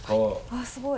あっすごい。